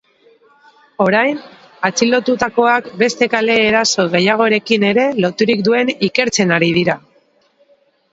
Orain, atxilotutakoak beste kale-eraso gehiagorekin ere loturik duen ikertzen ari dira.